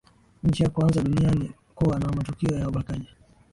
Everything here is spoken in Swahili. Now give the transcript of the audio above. nchi ya kuanza duniani kuwa na matukio ya ubakaji